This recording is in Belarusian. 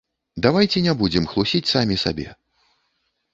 Давайце не будзем хлусіць самі сабе.